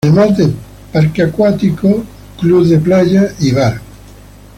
Además de parque de agua, beach club y bar acuático.